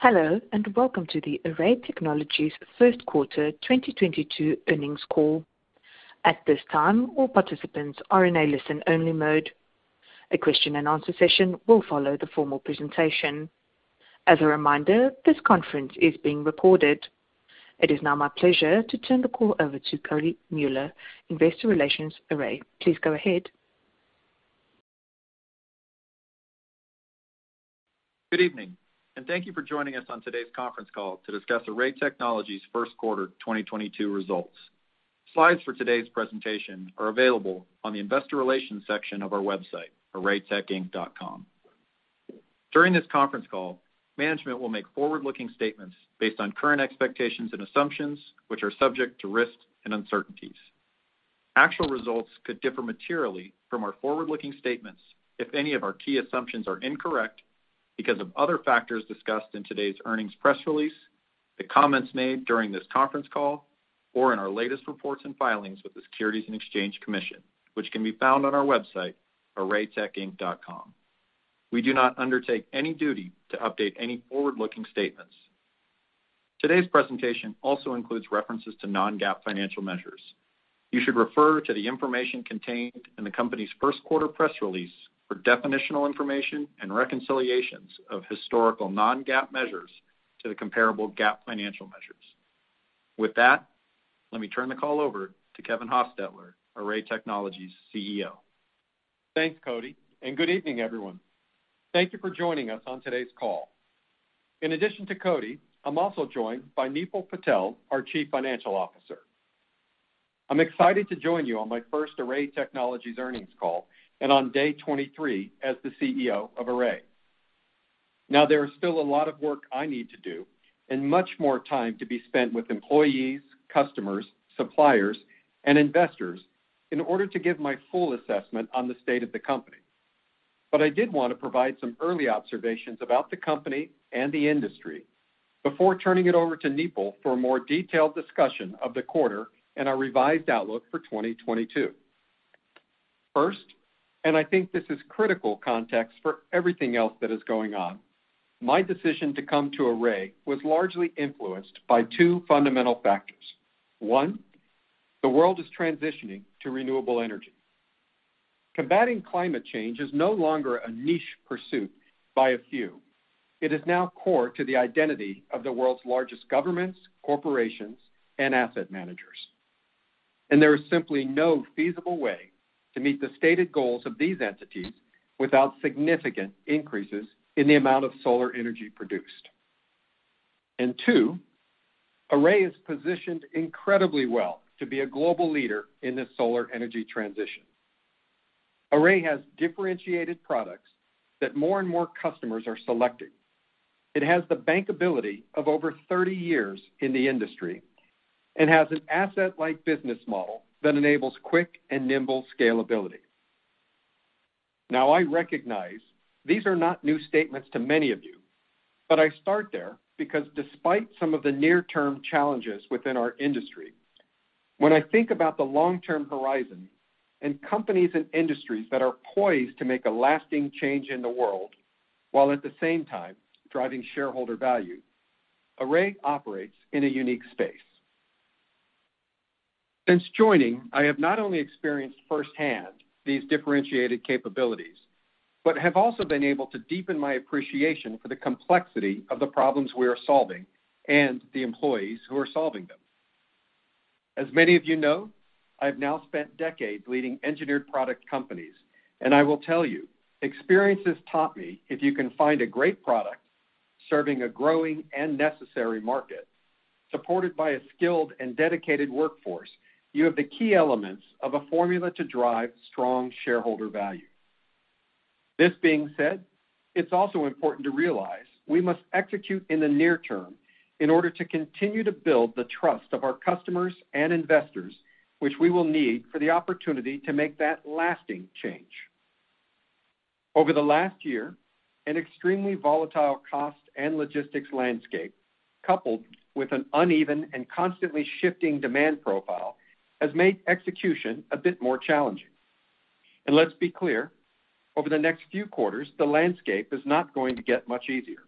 Hello, and welcome to the Array Technologies first quarter 2022 earnings call. At this time, all participants are in a listen-only mode. A question-and-answer session will follow the formal presentation. As a reminder, this conference is being recorded. It is now my pleasure to turn the call over to Cody Mueller, Investor Relations, Array. Please go ahead. Good evening, and thank you for joining us on today's conference call to discuss Array Technologies first quarter 2022 results. Slides for today's presentation are available on the investor relations section of our website, arraytechinc.com. During this conference call, management will make forward-looking statements based on current expectations and assumptions, which are subject to risks and uncertainties. Actual results could differ materially from our forward-looking statements if any of our key assumptions are incorrect because of other factors discussed in today's earnings press release, the comments made during this conference call, or in our latest reports and filings with the Securities and Exchange Commission, which can be found on our website, arraytechinc.com. We do not undertake any duty to update any forward-looking statements. Today's presentation also includes references to non-GAAP financial measures. You should refer to the information contained in the company's first quarter press release for definitional information and reconciliations of historical non-GAAP measures to the comparable GAAP financial measures. With that, let me turn the call over to Kevin Hostetler, Array Technologies' CEO. Thanks, Cody, and good evening, everyone. Thank you for joining us on today's call. In addition to Cody, I'm also joined by Nipul Patel, our Chief Financial Officer. I'm excited to join you on my first Array Technologies earnings call and on day 23 as the CEO of Array. Now there is still a lot of work I need to do and much more time to be spent with employees, customers, suppliers, and investors in order to give my full assessment on the state of the company. I did want to provide some early observations about the company and the industry before turning it over to Nipul for a more detailed discussion of the quarter and our revised outlook for 2022. First, I think this is critical context for everything else that is going on, my decision to come to Array was largely influenced by two fundamental factors. One, the world is transitioning to renewable energy. Combating climate change is no longer a niche pursuit by a few. It is now core to the identity of the world's largest governments, corporations, and asset managers. There is simply no feasible way to meet the stated goals of these entities without significant increases in the amount of solar energy produced. Two, Array is positioned incredibly well to be a global leader in this solar energy transition. Array has differentiated products that more and more customers are selecting. It has the bankability of over thirty years in the industry and has an asset-like business model that enables quick and nimble scalability. Now I recognize these are not new statements to many of you, but I start there because despite some of the near-term challenges within our industry, when I think about the long-term horizon and companies and industries that are poised to make a lasting change in the world while at the same time driving shareholder value. Array operates in a unique space. Since joining, I have not only experienced firsthand these differentiated capabilities, but have also been able to deepen my appreciation for the complexity of the problems we are solving and the employees who are solving them. As many of you know, I've now spent decades leading engineered product companies, and I will tell you, experience has taught me if you can find a great product serving a growing and necessary market, supported by a skilled and dedicated workforce, you have the key elements of a formula to drive strong shareholder value. This being said, it's also important to realize we must execute in the near term in order to continue to build the trust of our customers and investors, which we will need for the opportunity to make that lasting change. Over the last year, an extremely volatile cost and logistics landscape, coupled with an uneven and constantly shifting demand profile, has made execution a bit more challenging. Let's be clear, over the next few quarters, the landscape is not going to get much easier.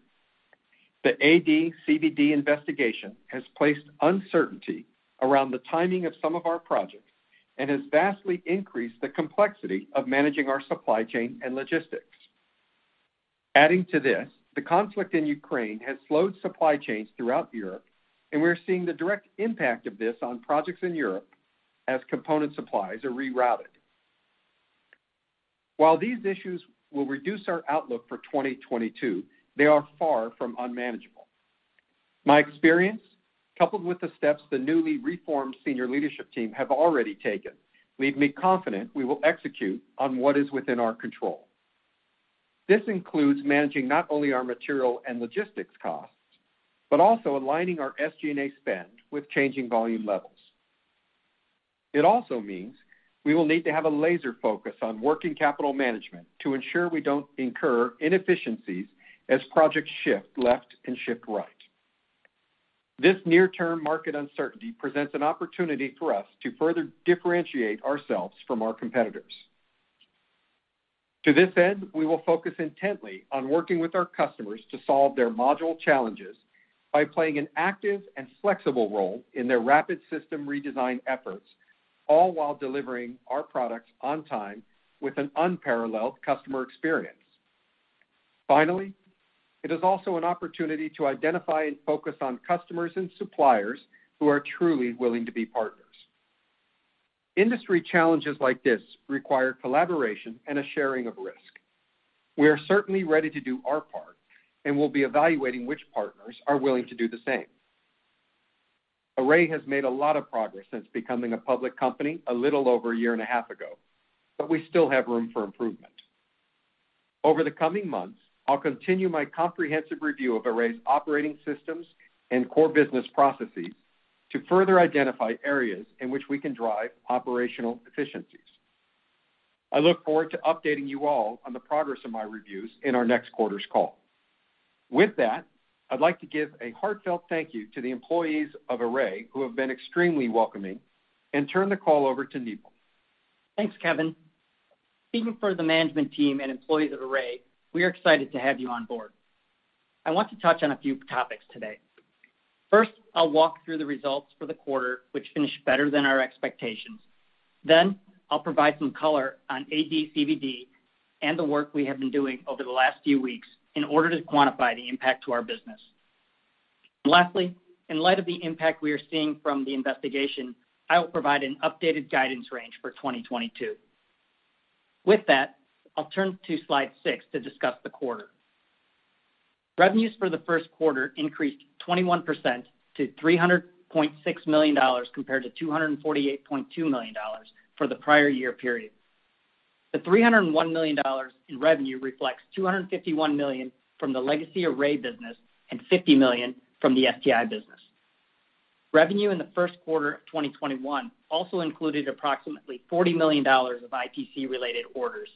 The AD/CVD investigation has placed uncertainty around the timing of some of our projects and has vastly increased the complexity of managing our supply chain and logistics. Adding to this, the conflict in Ukraine has slowed supply chains throughout Europe, and we're seeing the direct impact of this on projects in Europe as component supplies are rerouted. While these issues will reduce our outlook for 2022, they are far from unmanageable. My experience, coupled with the steps the newly reformed senior leadership team have already taken, leave me confident we will execute on what is within our control. This includes managing not only our material and logistics costs, but also aligning our SG&A spend with changing volume levels. It also means we will need to have a laser focus on working capital management to ensure we don't incur inefficiencies as projects shift left and shift right. This near-term market uncertainty presents an opportunity for us to further differentiate ourselves from our competitors. To this end, we will focus intently on working with our customers to solve their module challenges by playing an active and flexible role in their rapid system redesign efforts, all while delivering our products on time with an unparalleled customer experience. Finally, it is also an opportunity to identify and focus on customers and suppliers who are truly willing to be partners. Industry challenges like this require collaboration and a sharing of risk. We are certainly ready to do our part, and we'll be evaluating which partners are willing to do the same. Array has made a lot of progress since becoming a public company a little over a year and a half ago, but we still have room for improvement. Over the coming months, I'll continue my comprehensive review of Array's operating systems and core business processes to further identify areas in which we can drive operational efficiencies. I look forward to updating you all on the progress of my reviews in our next quarter's call. With that, I'd like to give a heartfelt thank you to the employees of Array, who have been extremely welcoming, and turn the call over to Nipul Patel. Thanks, Kevin. Speaking for the management team and employees of Array, we are excited to have you on board. I want to touch on a few topics today. First, I'll walk through the results for the quarter, which finished better than our expectations. Then I'll provide some color on AD/CVD and the work we have been doing over the last few weeks in order to quantify the impact to our business. Lastly, in light of the impact we are seeing from the investigation, I will provide an updated guidance range for 2022. With that, I'll turn to slide six to discuss the quarter. Revenues for the first quarter increased 21% to $300.6 million compared to $248.2 million for the prior year period. The $301 million in revenue reflects $251 million from the legacy Array business and $50 million from the STI business. Revenue in the first quarter of 2021 also included approximately $40 million of ITC-related orders.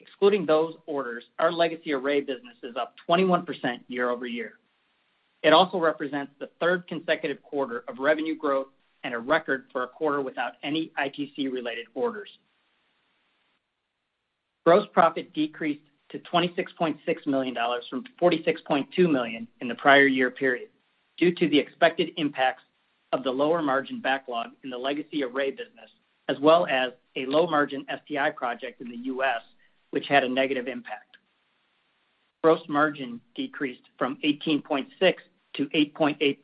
Excluding those orders, our legacy Array business is up 21% year-over-year. It also represents the third consecutive quarter of revenue growth and a record for a quarter without any ITC-related orders. Gross profit decreased to $26.6 million from $46.2 million in the prior year period due to the expected impacts of the lower margin backlog in the legacy Array business, as well as a low margin STI project in the U.S., which had a negative impact. Gross margin decreased from 18.6% to 8.8%.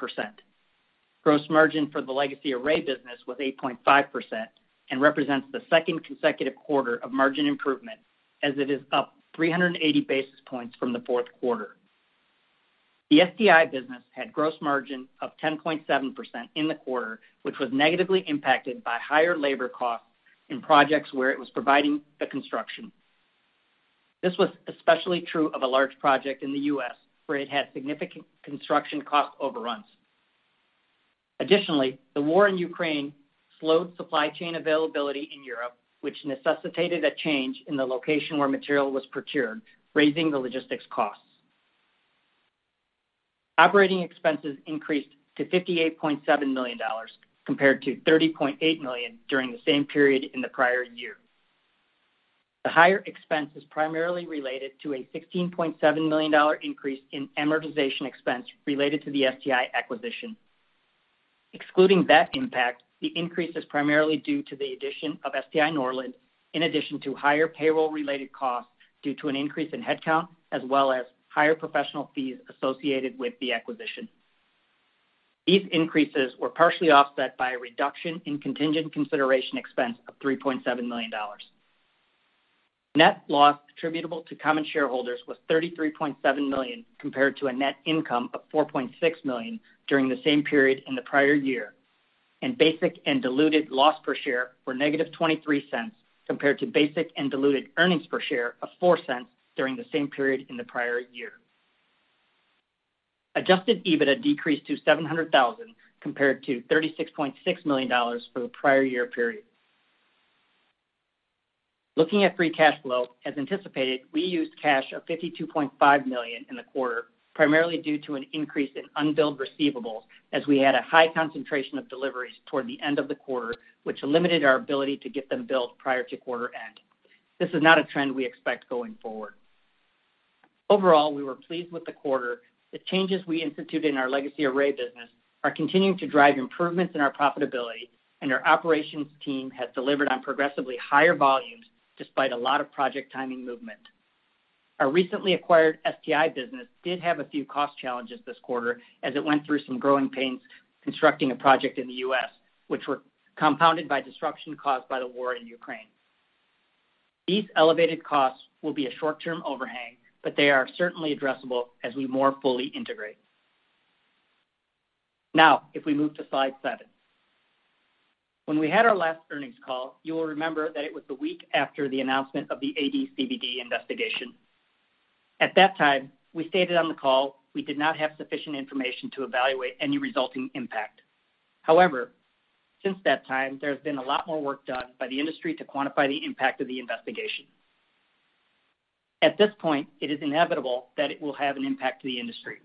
Gross margin for the legacy Array business was 8.5% and represents the second consecutive quarter of margin improvement as it is up 380 basis points from the fourth quarter. The STI business had gross margin of 10.7% in the quarter, which was negatively impacted by higher labor costs in projects where it was providing the construction. This was especially true of a large project in the US, where it had significant construction cost overruns. Additionally, the war in Ukraine slowed supply chain availability in Europe, which necessitated a change in the location where material was procured, raising the logistics costs. Operating expenses increased to $58.7 million compared to $30.8 million during the same period in the prior year. The higher expense is primarily related to a $16.7 million increase in amortization expense related to the STI Norland acquisition. Excluding that impact, the increase is primarily due to the addition of STI Norland, in addition to higher payroll-related costs due to an increase in headcount, as well as higher professional fees associated with the acquisition. These increases were partially offset by a reduction in contingent consideration expense of $3.7 million. Net loss attributable to common shareholders was $33.7 million compared to a net income of $4.6 million during the same period in the prior year, and basic and diluted loss per share were -$0.23 compared to basic and diluted earnings per share of $0.04 during the same period in the prior year. Adjusted EBITDA decreased to $700,000 compared to $36.6 million for the prior year period. Looking at free cash flow, as anticipated, we used cash of $52.5 million in the quarter, primarily due to an increase in unbilled receivables as we had a high concentration of deliveries toward the end of the quarter, which limited our ability to get them billed prior to quarter end. This is not a trend we expect going forward. Overall, we were pleased with the quarter. The changes we instituted in our legacy Array business are continuing to drive improvements in our profitability, and our operations team has delivered on progressively higher volumes despite a lot of project timing movement. Our recently acquired STI business did have a few cost challenges this quarter as it went through some growing pains constructing a project in the US, which were compounded by disruption caused by the war in Ukraine. These elevated costs will be a short-term overhang, but they are certainly addressable as we more fully integrate. Now, if we move to slide seven. When we had our last earnings call, you will remember that it was the week after the announcement of the AD/CVD investigation. At that time, we stated on the call we did not have sufficient information to evaluate any resulting impact. However, since that time, there has been a lot more work done by the industry to quantify the impact of the investigation. At this point, it is inevitable that it will have an impact to the industry.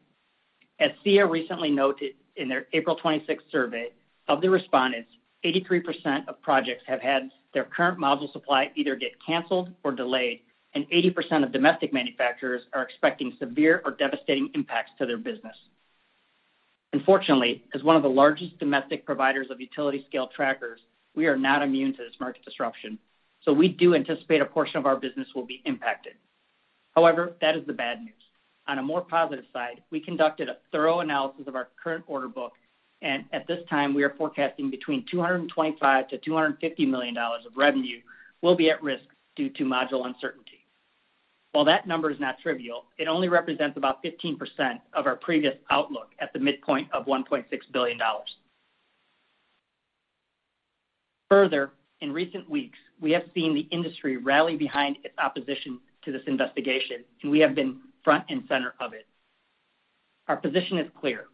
SEIA recently noted in their April 26th survey, of the respondents, 83% of projects have had their current module supply either get canceled or delayed, and 80% of domestic manufacturers are expecting severe or devastating impacts to their business. Unfortunately, as one of the largest domestic providers of utility scale trackers, we are not immune to this market disruption. We do anticipate a portion of our business will be impacted. However, that is the bad news. On a more positive side, we conducted a thorough analysis of our current order book, and at this time, we are forecasting between $225 million-$250 million of revenue will be at risk due to module uncertainty. While that number is not trivial, it only represents about 15% of our previous outlook at the midpoint of $1.6 billion. Further, in recent weeks, we have seen the industry rally behind its opposition to this investigation, and we have been front and center of it. Our position is clear.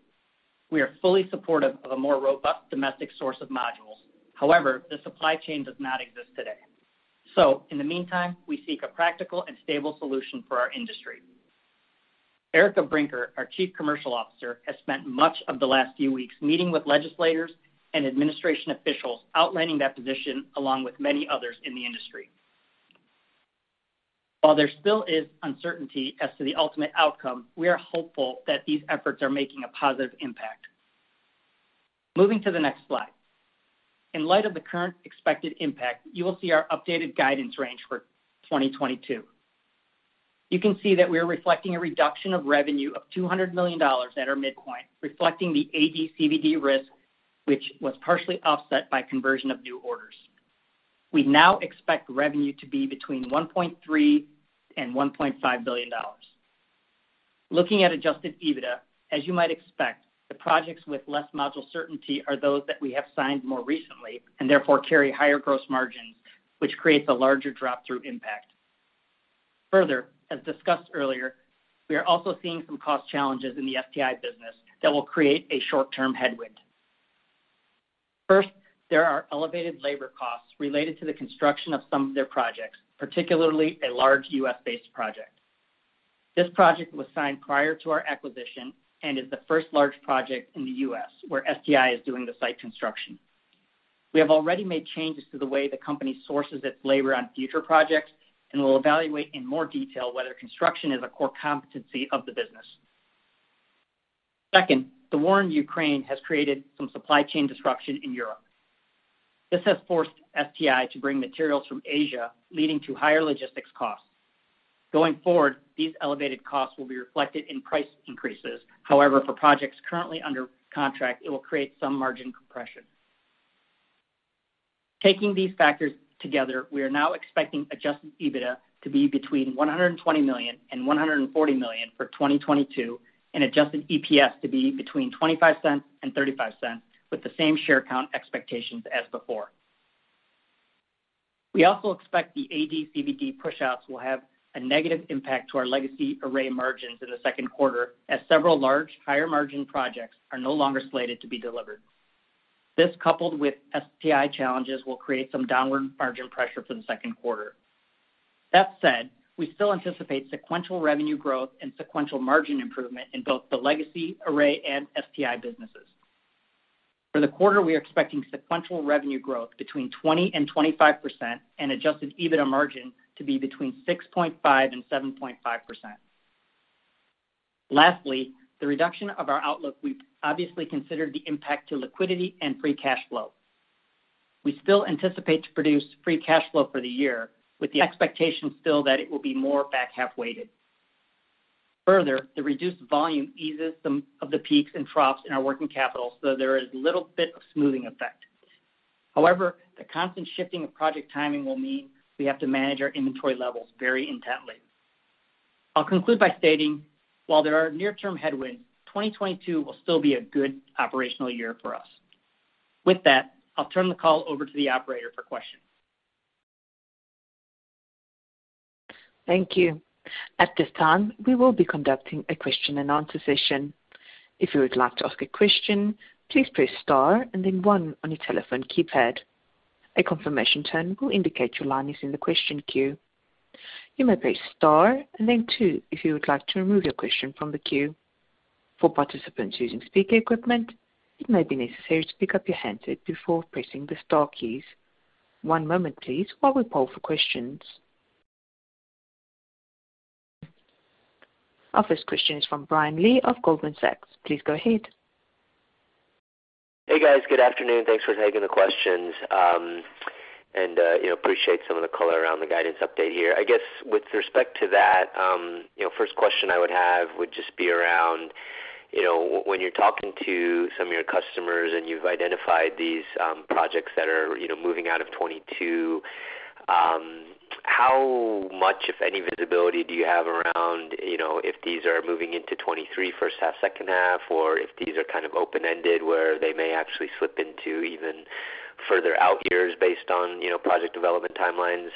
We are fully supportive of a more robust domestic source of modules. However, the supply chain does not exist today. In the meantime, we seek a practical and stable solution for our industry. Erica Brinker, our Chief Commercial Officer, has spent much of the last few weeks meeting with legislators and administration officials outlining that position along with many others in the industry. While there still is uncertainty as to the ultimate outcome, we are hopeful that these efforts are making a positive impact. Moving to the next slide. In light of the current expected impact, you will see our updated guidance range for 2022. You can see that we are reflecting a reduction of revenue of $200 million at our midpoint, reflecting the AD/CVD risk, which was partially offset by conversion of new orders. We now expect revenue to be between $1.3 billion and $1.5 billion. Looking at adjusted EBITDA, as you might expect, the projects with less module certainty are those that we have signed more recently and therefore carry higher gross margins, which creates a larger drop-through impact. Further, as discussed earlier, we are also seeing some cost challenges in the STI business that will create a short-term headwind. First, there are elevated labor costs related to the construction of some of their projects, particularly a large US-based project. This project was signed prior to our acquisition and is the first large project in the US where STI is doing the site construction. We have already made changes to the way the company sources its labor on future projects, and we'll evaluate in more detail whether construction is a core competency of the business. Second, the war in Ukraine has created some supply chain disruption in Europe. This has forced STI to bring materials from Asia, leading to higher logistics costs. Going forward, these elevated costs will be reflected in price increases. However, for projects currently under contract, it will create some margin compression. Taking these factors together, we are now expecting adjusted EBITDA to be between $120 million and $140 million for 2022 and adjusted EPS to be between $0.25 and $0.35 with the same share count expectations as before. We also expect the AD/CVD pushouts will have a negative impact to our legacy Array margins in the second quarter as several large higher-margin projects are no longer slated to be delivered. This, coupled with STI challenges, will create some downward margin pressure for the second quarter. That said, we still anticipate sequential revenue growth and sequential margin improvement in both the legacy Array and STI businesses. For the quarter, we are expecting sequential revenue growth between 20%-25% and adjusted EBITDA margin to be between 6.5%-7.5%. Lastly, the reduction of our outlook, we've obviously considered the impact to liquidity and free cash flow. We still anticipate to produce free cash flow for the year with the expectation still that it will be more back-half weighted. Further, the reduced volume eases some of the peaks and troughs in our working capital so there is little bit of smoothing effect. However, the constant shifting of project timing will mean we have to manage our inventory levels very intently. I'll conclude by stating while there are near-term headwinds, 2022 will still be a good operational year for us. With that, I'll turn the call over to the operator for questions. Thank you. At this time, we will be conducting a question-and-answer session. If you would like to ask a question, please press star and then one on your telephone keypad. A confirmation tone will indicate your line is in the question queue. You may press star and then two if you would like to remove your question from the queue. For participants using speaker equipment, it may be necessary to pick up your handset before pressing the star keys. One moment please while we poll for questions. Our first question is from Brian Lee of Goldman Sachs. Please go ahead. Hey guys, good afternoon. Thanks for taking the questions. You know, appreciate some of the color around the guidance update here. I guess with respect to that, you know, first question I would have would just be around, you know, when you're talking to some of your customers and you've identified these, projects that are, you know, moving out of 2022, how much, if any, visibility do you have around, you know, if these are moving into 2023 first half-second half, or if these are kind of open-ended where they may actually slip into even further out years based on, you know, project development timelines?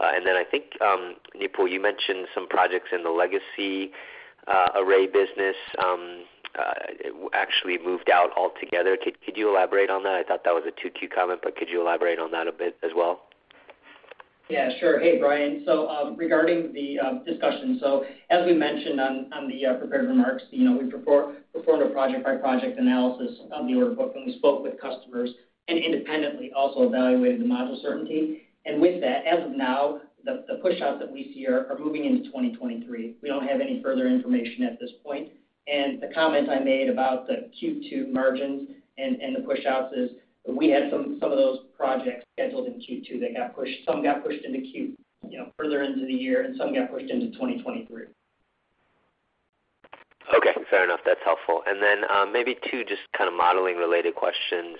Then I think, Nipul, you mentioned some projects in the legacy Array business actually moved out altogether. Could you elaborate on that? I thought that was a Q2 comment, but could you elaborate on that a bit as well? Yeah, sure. Hey, Brian. Regarding the discussion, as we mentioned on the prepared remarks, you know, we performed a project-by-project analysis of the order book, and we spoke with customers and independently also evaluated the module certainty. With that, as of now, the pushouts that we see are moving into 2023. We don't have any further information at this point. The comment I made about the Q2 margins and the pushouts is we had some of those projects scheduled in Q2 that got pushed, some got pushed into Q, you know, further into the year, and some got pushed into 2023. Okay. Fair enough. That's helpful. Maybe two just kind of modeling related questions.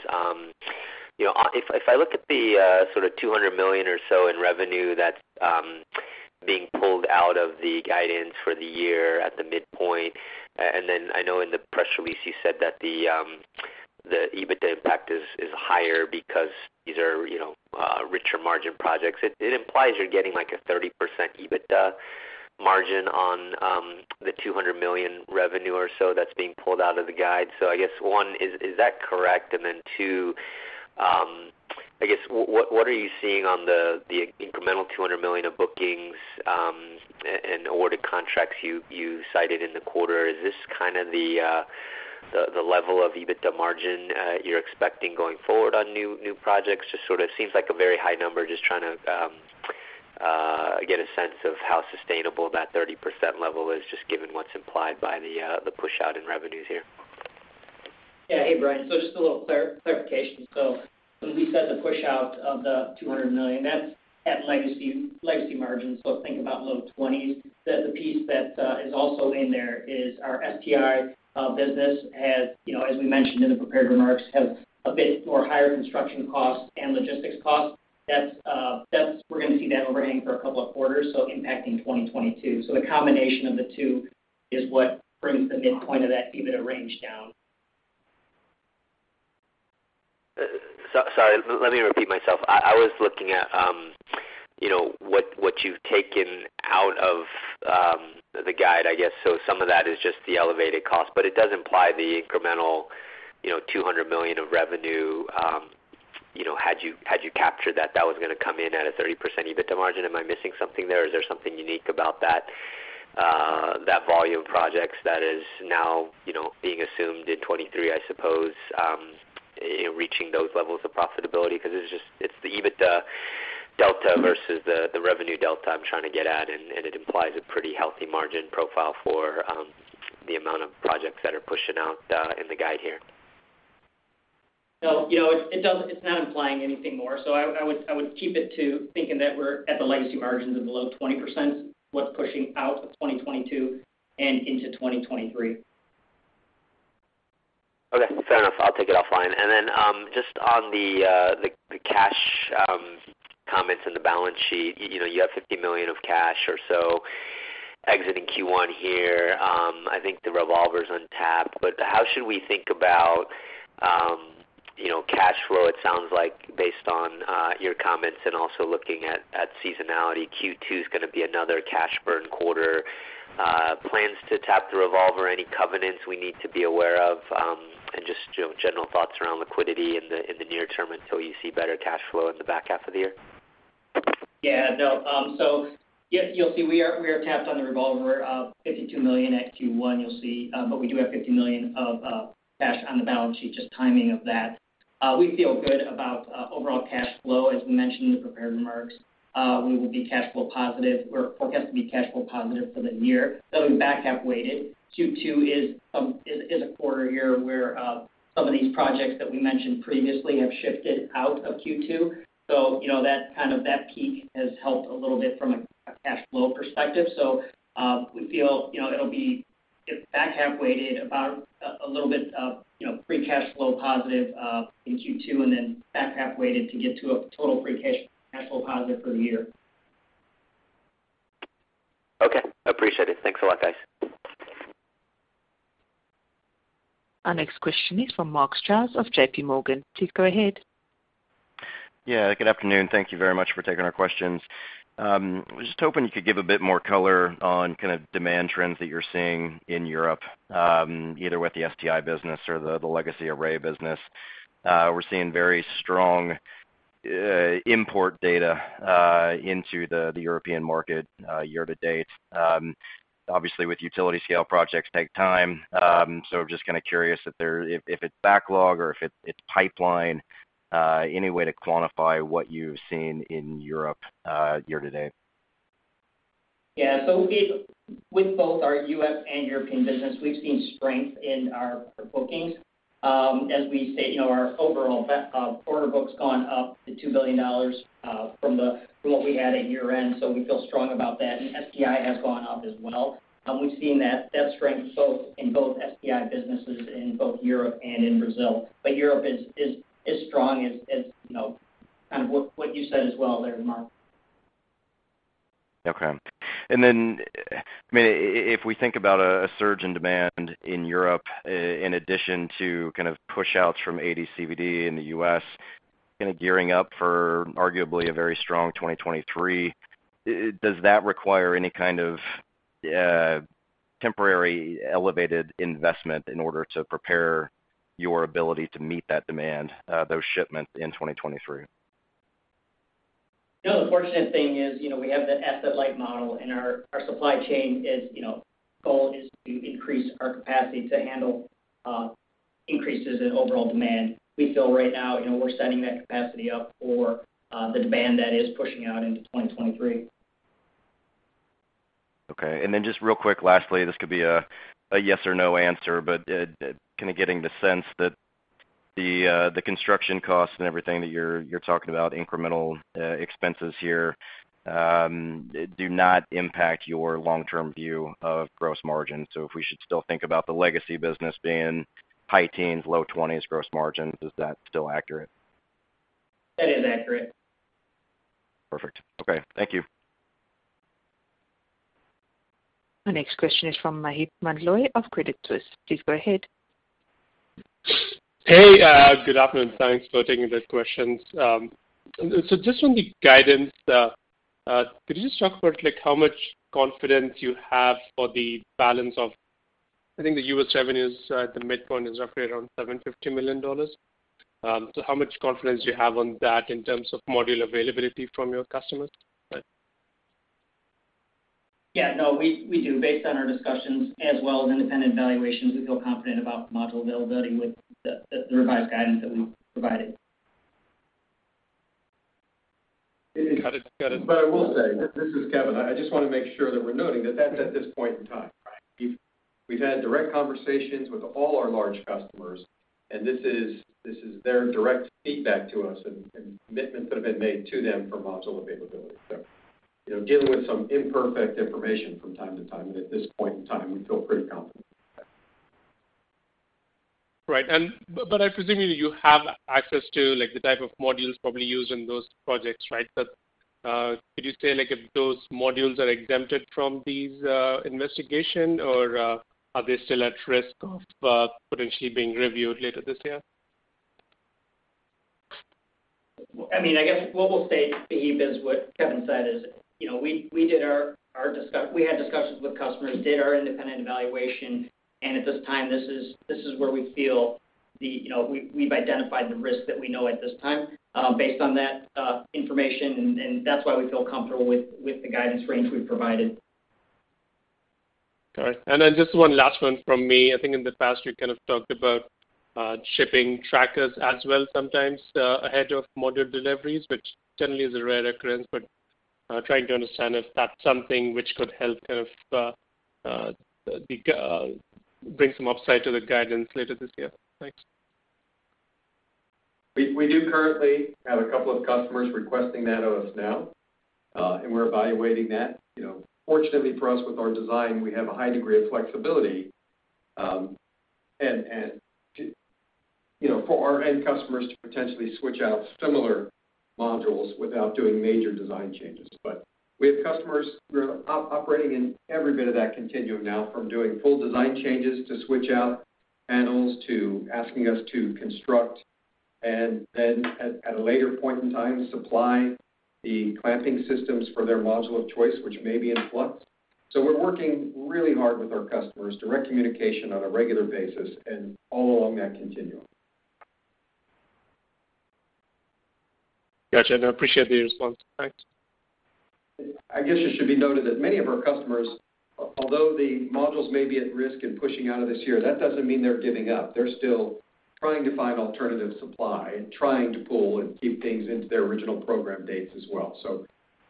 You know, if I look at the sort of $200 million or so in revenue that's being pulled out of the guidance for the year at the midpoint, and then I know in the press release you said that the EBITDA impact is higher because these are, you know, richer margin projects. It implies you're getting, like, a 30% EBITDA margin on the $200 million revenue or so that's being pulled out of the guide. I guess, one, is that correct? Two, I guess what are you seeing on the incremental $200 million of bookings and ordered contracts you cited in the quarter? Is this kind of the level of EBITDA margin you're expecting going forward on new projects? Just sort of seems like a very high number. Just trying to get a sense of how sustainable that 30% level is just given what's implied by the pushout in revenues here. Hey, Brian. Just a little clarification. When we said the pushout of the $200 million, that's at legacy margins, so think about low 20s%. The piece that is also in there is our STI business has, you know, as we mentioned in the prepared remarks, a bit more higher construction costs and logistics costs. That's we're gonna see that overhang for a couple of quarters, so impacting 2022. The combination of the two is what brings the midpoint of that EBITDA range down. Sorry, let me repeat myself. I was looking at, you know, what you've taken out of the guide, I guess. Some of that is just the elevated cost, but it does imply the incremental, you know, $200 million of revenue, you know, had you captured that was gonna come in at a 30% EBITDA margin. Am I missing something there? Is there something unique about that volume of projects that is now, you know, being assumed in 2023, I suppose, you know, reaching those levels of profitability? Because it's just the EBITDA delta versus the revenue delta I'm trying to get at, and it implies a pretty healthy margin profile for the amount of projects that are pushing out in the guide here. You know, it doesn't, it's not implying anything more. I would keep it to thinking that we're at the legacy margins of below 20%, what's pushing out of 2022 and into 2023. Okay. Fair enough. I'll take it offline. Then, just on the cash comments in the balance sheet. You know, you have $50 million of cash or so exiting Q1 here. I think the revolver's untapped. How should we think about, you know, cash flow? It sounds like based on your comments and also looking at seasonality, Q2 is gonna be another cash burn quarter. Plans to tap the revolver, any covenants we need to be aware of, and just general thoughts around liquidity in the near term until you see better cash flow in the back half of the year. Yeah, no. So yeah, you'll see we are tapped on the revolver of $52 million at Q1, you'll see. But we do have $50 million of cash on the balance sheet, just timing of that. We feel good about overall cash flow. As we mentioned in the prepared remarks, we will be cash flow positive. We're forecast to be cash flow positive for the year, that'll be back half weighted. Q2 is a quarter here where some of these projects that we mentioned previously have shifted out of Q2. You know, that kind of peak has helped a little bit from a cash flow perspective. We feel, you know, it'll be back half weighted about a little bit of, you know, free cash flow positive in Q2, and then back half weighted to get to a total free cash flow positive for the year. Okay. Appreciate it. Thanks a lot, guys. Our next question is from Mark Strouse of JPMorgan. Please go ahead. Yeah, good afternoon. Thank you very much for taking our questions. I was just hoping you could give a bit more color on kind of demand trends that you're seeing in Europe, either with the STI business or the legacy array business. We're seeing very strong import data into the European market year to date. Obviously with utility scale projects take time. So just kinda curious if it's backlog or if it's pipeline. Any way to quantify what you've seen in Europe year to date? With both our U.S. and European business, we've seen strength in our bookings. As we state, you know, our overall order book's gone up to $2 billion from what we had at year-end, so we feel strong about that. STI has gone up as well. We've seen that strength in both STI businesses in both Europe and in Brazil. Europe is as strong as, you know, kind of what you said as well there, Mark. Okay. I mean, if we think about a surge in demand in Europe in addition to kind of pushouts from AD/CVD in the U.S. Kind of gearing up for arguably a very strong 2023, does that require any kind of temporary elevated investment in order to prepare your ability to meet that demand, those shipments in 2023? No, the fortunate thing is, you know, we have the asset-light model, and our supply chain is, you know, goal is to increase our capacity to handle increases in overall demand. We feel right now, you know, we're setting that capacity up for the demand that is pushing out into 2023. Okay. Just real quick, lastly, this could be a yes or no answer, but kind of getting the sense that the construction costs and everything that you're talking about incremental expenses here do not impact your long-term view of gross margin. If we should still think about the legacy business being high teens, low 20s gross margins, is that still accurate? That is accurate. Perfect. Okay. Thank you. Our next question is from Maheep Mandloi of Credit Suisse. Please go ahead. Hey, good afternoon. Thanks for taking the questions. Just on the guidance, could you just talk about like how much confidence you have for the balance of, I think the US revenues at the midpoint is roughly around $750 million. How much confidence do you have on that in terms of module availability from your customers? Yeah, no, we do. Based on our discussions as well as independent evaluations, we feel confident about module availability with the revised guidance that we've provided. Got it. I will say, this is Kevin. I just wanna make sure that we're noting that that's at this point in time, right? We've had direct conversations with all our large customers, and this is their direct feedback to us and commitments that have been made to them for module availability. You know, dealing with some imperfect information from time to time, and at this point in time, we feel pretty confident. Right. I presume that you have access to, like, the type of modules probably used in those projects, right? Could you say, like, if those modules are exempted from these investigation, or are they still at risk of potentially being reviewed later this year? I mean, I guess what we'll state, Maheep, is what Kevin said is, you know, we had discussions with customers, did our independent evaluation, and at this time, this is where we feel that, you know, we've identified the risk that we know at this time, based on that information, and that's why we feel comfortable with the guidance range we've provided. Got it. Just one last one from me. I think in the past, you kind of talked about shipping trackers as well sometimes ahead of module deliveries, which generally is a rare occurrence. Trying to understand if that's something which could help kind of bring some upside to the guidance later this year. Thanks. We do currently have a couple of customers requesting that of us now, and we're evaluating that. You know, fortunately for us with our design, we have a high degree of flexibility, and to you know for our end customers to potentially switch out similar modules without doing major design changes. We have customers, you know, operating in every bit of that continuum now from doing full design changes to switch out panels to asking us to construct and then at a later point in time supply the clamping systems for their module of choice, which may be in flux. We're working really hard with our customers, direct communication on a regular basis and all along that continuum. Gotcha. I appreciate the response. Thanks. I guess it should be noted that many of our customers, although the modules may be at risk in pushing out of this year, that doesn't mean they're giving up. They're still trying to find alternative supply and trying to pull and keep things into their original program dates as well.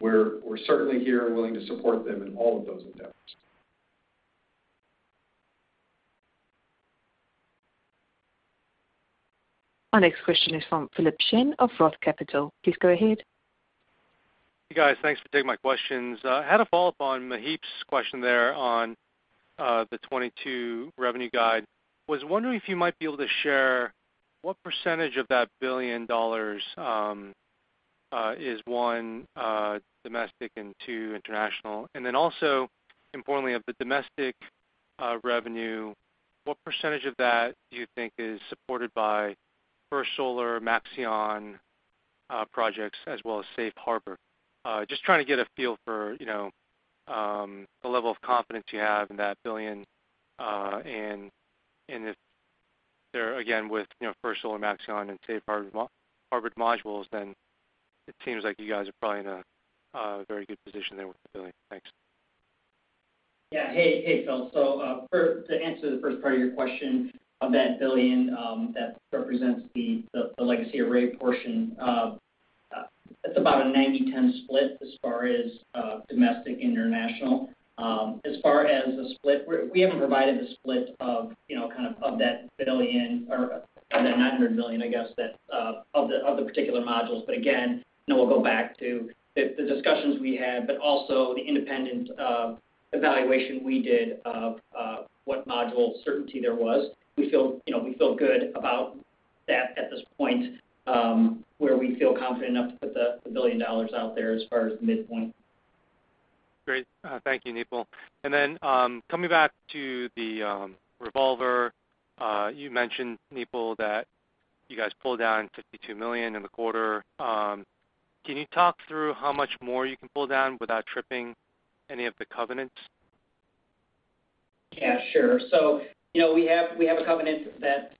We're certainly here and willing to support them in all of those endeavors. Our next question is from Philip Shen of Roth Capital Partners. Please go ahead. Hey, guys. Thanks for taking my questions. I had a follow-up on Maheep's question there on the 2022 revenue guide. Was wondering if you might be able to share what percentage of that $1 billion is one domestic and two international. Then also importantly, of the domestic revenue, what percentage of that do you think is supported by First Solar and Maxeon projects as well as Safe Harbor? Just trying to get a feel for you know the level of confidence you have in that $1 billion and if there again with you know First Solar and Maxeon and Safe Harbor modules then it seems like you guys are probably in a very good position there with the $1 billion. Thanks. Yeah. Hey, hey, Phil. To answer the first part of your question, of that $1 billion, that represents the legacy Array portion. It's about a 90-10 split as far as domestic, international. As far as the split, we haven't provided the split of, you know, kind of that $1 billion or of that $900 million, I guess, of the particular modules. But again, you know, we'll go back to the discussions we had, but also the independent evaluation we did of what module certainty there was. We feel, you know, we feel good about that at this point, where we feel confident enough to put the $1 billion out there as far as the midpoint. Great. Thank you, Nipul. Coming back to the revolver, you mentioned, Nipul, that you guys pulled down $52 million in the quarter. Can you talk through how much more you can pull down without tripping any of the covenants? Yeah, sure. You know, we have a covenant that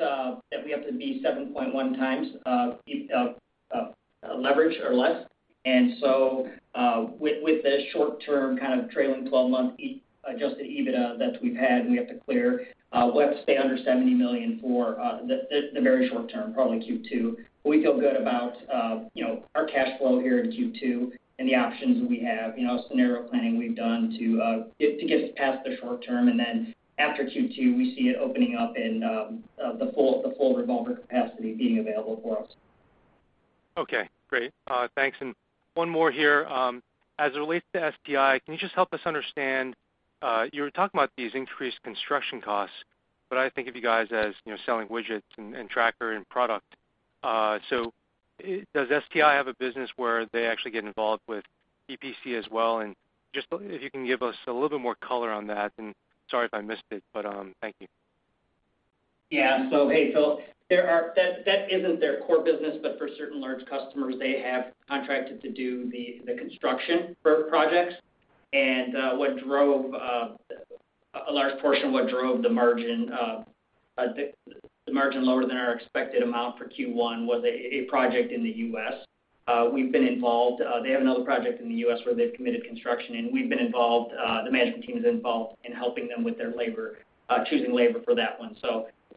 we have to be 7.1x leverage or less. With the short term kind of trailing twelve month adjusted EBITDA that we've had, we have to stay under $70 million for the very short term, probably Q2. We feel good about, you know, our cash flow here in Q2 and the options we have, you know, scenario planning we've done to get past the short term. After Q2, we see it opening up and the full revolver capacity being available for us. Okay, great. Thanks. One more here. As it relates to STI, can you just help us understand, you were talking about these increased construction costs, but I think of you guys as, you know, selling widgets and tracker and product. So does STI have a business where they actually get involved with EPC as well? Just if you can give us a little bit more color on that. Sorry if I missed it, but thank you. Yeah. Hey, Phil, that isn't their core business, but for certain large customers, they have contracted to do the construction for projects. What drove a large portion of the margin lower than our expected amount for Q1 was a project in the US. We've been involved. They have another project in the US, where they've committed construction, and we've been involved. The management team is involved in helping them with their labor, choosing labor for that one.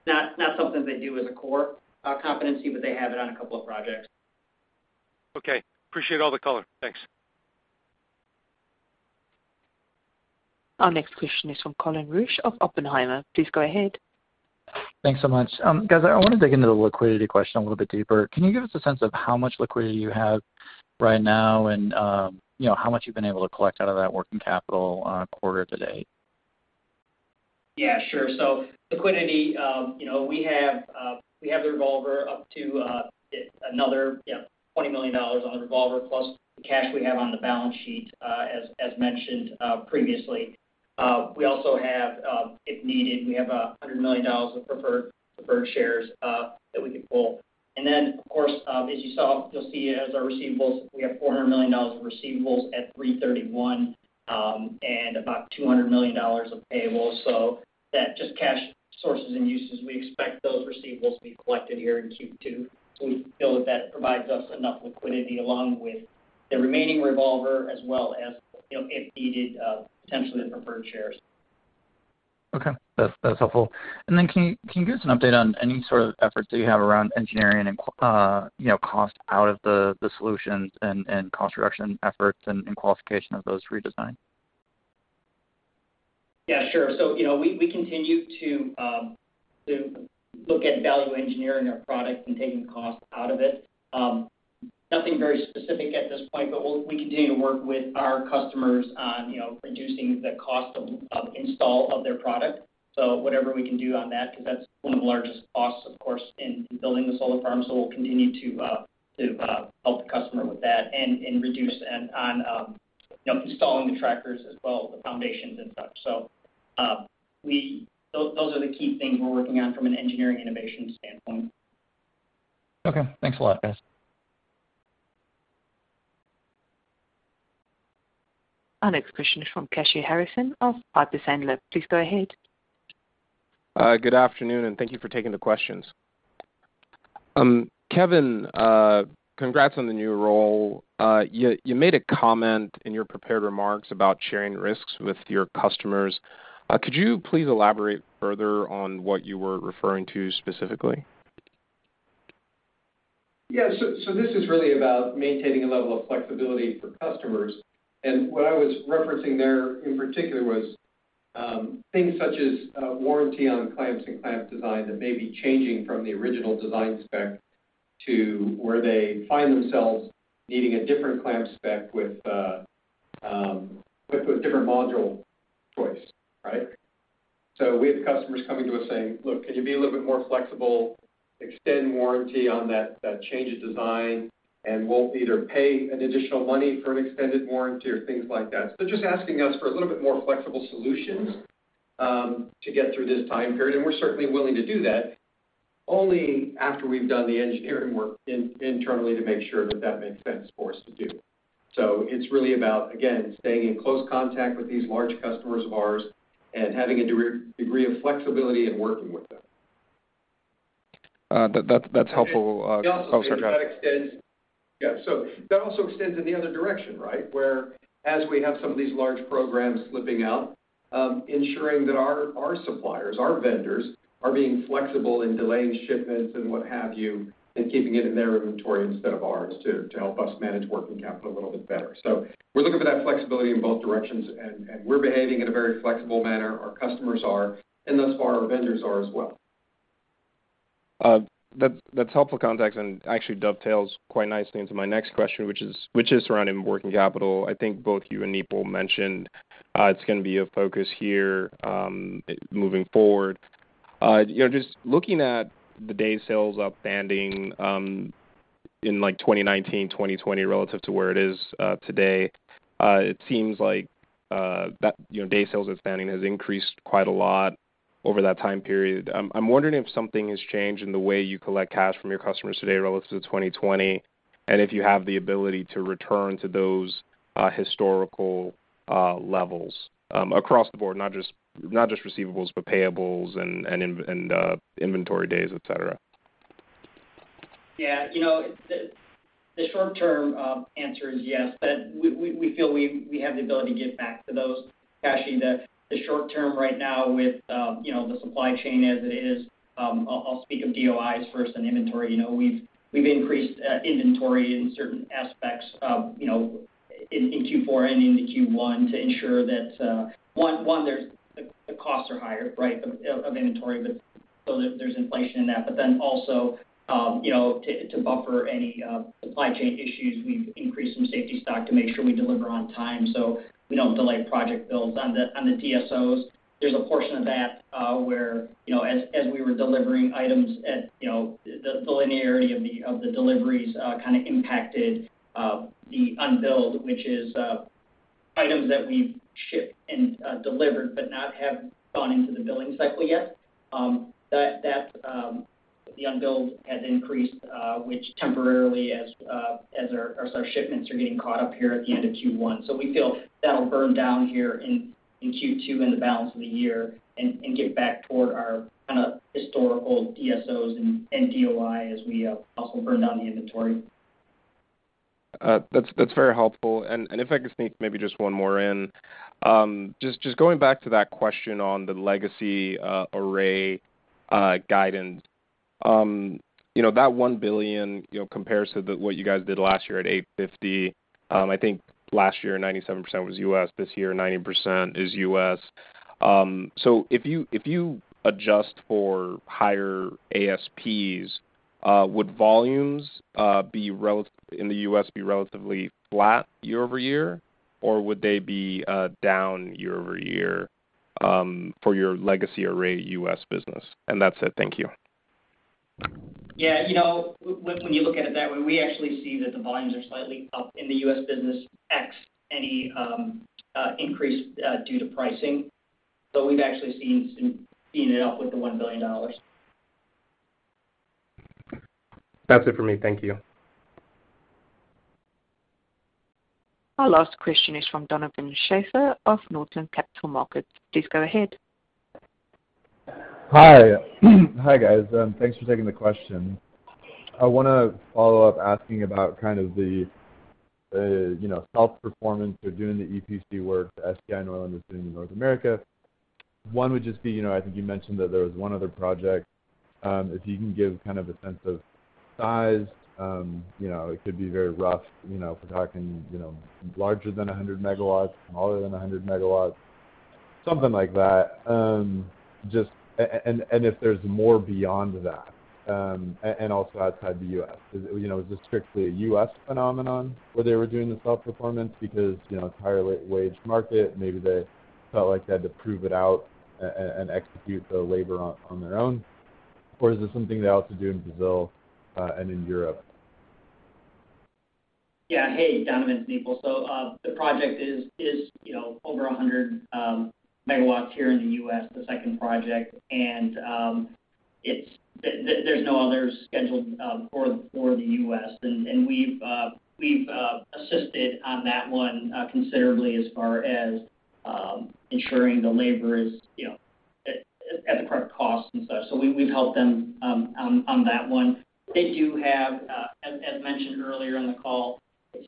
Not something they do as a core competency, but they have it on a couple of projects. Okay. Appreciate all the color. Thanks. Our next question is from Colin Rusch of Oppenheimer. Please go ahead. Thanks so much. Guys, I wanna dig into the liquidity question a little bit deeper. Can you give us a sense of how much liquidity you have right now and, you know, how much you've been able to collect out of that working capital, quarter to date? Yeah, sure. Liquidity, you know, we have the revolver up to another $20 million on the revolver plus the cash we have on the balance sheet, as mentioned previously. We also have, if needed, we have $100 million of preferred shares that we could pull. Of course, as you saw, you'll see as our receivables, we have $400 million of receivables at 3/31, and about $200 million of payables. That just cash sources and uses, we expect those receivables to be collected here in Q2. We feel that that provides us enough liquidity along with the remaining revolver as well as, you know, if needed, potentially the preferred shares. Okay. That's helpful. Can you give us an update on any sort of efforts that you have around engineering and, you know, cost out of the solutions and cost reduction efforts and qualification of those redesign? Yeah, sure. You know, we continue to look at value engineering our product and taking cost out of it. Nothing very specific at this point, but we continue to work with our customers on, you know, reducing the cost of install of their product. Whatever we can do on that, because that's one of the largest costs, of course, in building the solar farm. We'll continue to help the customer with that and reduce on, you know, installing the trackers as well, the foundations and such. Those are the key things we're working on from an engineering innovation standpoint. Okay. Thanks a lot, guys. Our next question is from Kashy Harrison of Piper Sandler. Please go ahead. Good afternoon, and thank you for taking the questions. Kevin, congrats on the new role. You made a comment in your prepared remarks about sharing risks with your customers. Could you please elaborate further on what you were referring to specifically? Yeah. This is really about maintaining a level of flexibility for customers. What I was referencing there in particular was things such as warranty on clamps and clamp design that may be changing from the original design spec to where they find themselves needing a different clamp spec with different module choice, right? We have customers coming to us saying, "Look, can you be a little bit more flexible, extend warranty on that change of design, and we'll either pay an additional money for an extended warranty or things like that." Just asking us for a little bit more flexible solutions to get through this time period. We're certainly willing to do that only after we've done the engineering work internally to make sure that makes sense for us to do. It's really about, again, staying in close contact with these large customers of ours and having a degree of flexibility in working with them. That's helpful. Oh, sorry. Go ahead. Yeah. So, that also extends in the other direction, right? Whereas we have some of these large programs slipping out, ensuring that our suppliers, our vendors are being flexible in delaying shipments and what have you, and keeping it in their inventory instead of ours to help us manage working capital a little bit better. So, we're looking for that flexibility in both directions and we're behaving in a very flexible manner, our customers are, and thus far our vendors are as well. That's helpful context and actually dovetails quite nicely into my next question, which is around working capital. I think both you and Nipul mentioned it's gonna be a focus here moving forward. You know, justlooking at the day sales outstanding in like 2019-2020 relative to where it is today, it seems like you know day sales outstanding has increased quite a lot over that time period. I'm wondering if something has changed in the way you collect cash from your customers today relative to 2020, and if you have the ability to return to those historical levels across the board, not just receivables, but payables and inventory days, et cetera. Yeah. You know, the short term answer is yes, but we feel we have the ability to get back to those. Actually, the short term right now with you know, the supply chain as it is, I'll speak of DOIs first and inventory. You know, we've increased inventory in certain aspects of, you know, in Q4 and into Q1 to ensure that one, that the costs are higher, right, of inventory, but so that there's inflation in that. Then also, you know, to buffer any supply chain issues, we've increased some safety stock to make sure we deliver on time, so we don't delay project builds. On the DSOs, there's a portion of that, where you know, as we were delivering items at the linearity of the deliveries, kind of impacted the unbilled, which is items that we've shipped and delivered but not have gone into the billing cycle yet. The unbilled has increased, which temporarily as our shipments are getting caught up here at the end of Q1. We feel that'll burn down here in Q2 and the balance of the year and get back toward our kind of historical DSOs and DOI as we also burn down the inventory. That's very helpful. If I could sneak maybe just one more in. Just going back to that question on the legacy Array guidance. You know, that $1 billion you know compares to what you guys did last year at $850 million. I think last year, 97% was US. This year, 90% is US. So if you adjust for higher ASPs, would volumes in the US be relatively flat year-over-year, or would they be down year-over-year, for your legacy Array US business? That's it. Thank you. Yeah. You know, when you look at it that way, we actually see that the volumes are slightly up in the US business ex any increase due to pricing. We've actually seen it up with the $1 billion. That's it for me. Thank you. Our last question is from Donovan Schafer of Northland Capital Markets. Please go ahead. Hi. Hi, guys. Thanks for taking the question. I wanna follow up asking about kind of the, you know, self-performance or doing the EPC work that STI Norland is doing in North America. One would just be, you know, I think you mentioned that there was one other project. If you can give kind of a sense of size, you know, it could be very rough, you know, if we're talking, you know, larger than 100 megawatts, smaller than 100 megawatts, something like that. Just and if there's more beyond that, and also outside the US. Is it, you know, is this strictly a US phenomenon where they were doing the self-performance because, you know, it's higher waged market, maybe they felt like they had to prove it out and execute the labor on their own, or is this something they also do in Brazil, and in Europe? Yeah. Hey, Donovan Schafer, it's Nipul. The project is, you know, over 100 megawatts here in the U.S., the second project. There's no others scheduled for the US. We've assisted on that one considerably as far as ensuring the labor is, you know, at the correct cost and such. We've helped them on that one. They do have, as mentioned earlier in the call, it's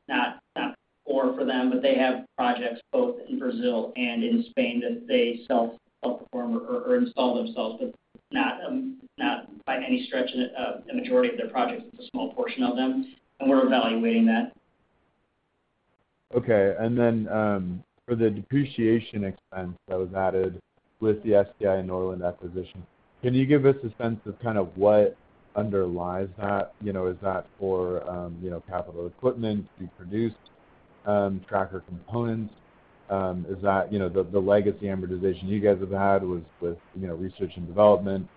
not core for them, but they have projects both in Brazil and in Spain that they self-perform or install themselves, but not by any stretch of the majority of their projects. It's a small portion of them, and we're evaluating that. Okay. And then, for the depreciation expense that was added with the STI Norland acquisition, can you give us a sense of kind of what underlies that? You know, is that for, you know, capital equipment to be produced, tracker components? Is that, you know, the legacy amortization you guys have had was with, you know, research and development,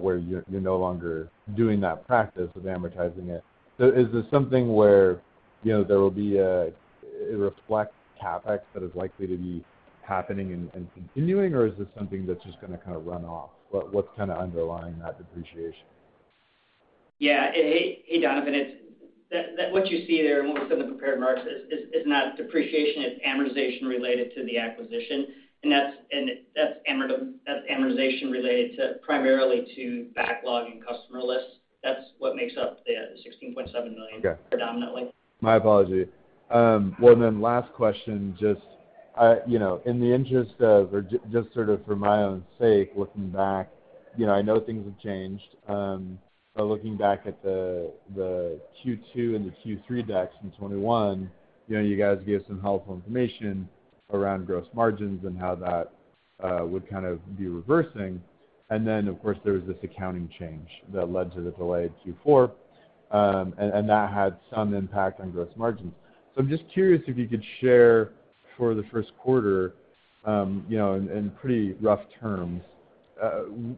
where you're no longer doing that practice of amortizing it. Is this something where, you know, there will be a, it reflects CapEx that is likely to be happening and continuing, or is this something that's just gonna kind of run off? What's kinda underlying that depreciation? Yeah. Hey, Donovan, it's that what you see there and what we said in the prepared remarks is not depreciation, it's amortization related to the acquisition. That's amortization related primarily to backlog and customer lists. That's what makes up the $16.7 million- Okay. -predominantly. My apology. Well, last question, just, you know, in the interest of just sort of for my own sake, looking back, you know, I know things have changed. Looking back at the Q2 and the Q3 decks from 2021, you know, you guys gave some helpful information around gross margins and how that would kind of be reversing. Of course, there was this accounting change that led to the delay in Q4, and that had some impact on gross margins. I'm just curious if you could share for the first quarter, you know, in pretty rough terms,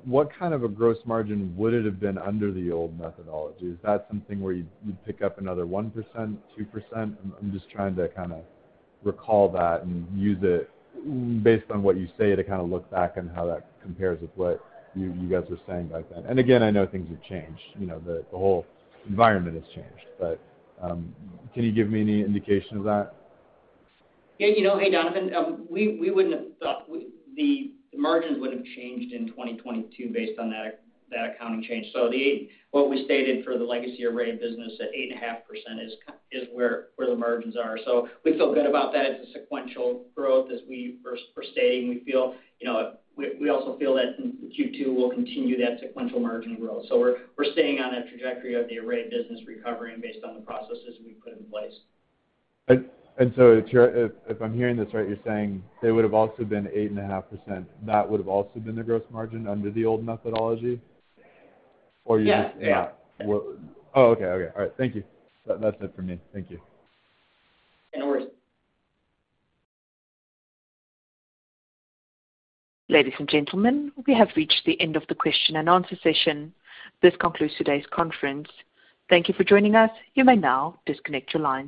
what kind of a gross margin would it have been under the old methodology? Is that something where you'd pick up another 1%, 2%? I'm just trying to kinda recall that and use it based on what you say to kinda look back on how that compares with what you guys were saying back then. Again, I know things have changed. You know, the whole environment has changed. Can you give me any indication of that? Yeah, you know, hey, Donovan, we wouldn't have thought the margins would have changed in 2022 based on that accounting change. So, the 8.5%, what we stated for the legacy Array business, that 8.5% is where the margins are. So, we feel good about that. It's a sequential growth as we were stating. We feel, you know, we also feel that in Q2 we'll continue that sequential margin growth. So, we're staying on that trajectory of the Array business recovering based on the processes we've put in place. And so, if I'm hearing this right, you're saying they would have also been 8.5%. That would have also been the gross margin under the old methodology? Yeah. Yeah. Yeah. Oh, okay. All right. Thank you. That's it for me. Thank you. No worries. Ladies and gentlemen, we have reached the end of the question and answer session. This concludes today's conference. Thank you for joining us. You may now disconnect your lines.